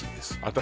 私